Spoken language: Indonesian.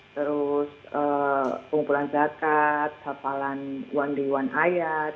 terus pengumpulan zakat hafalan one day one ayat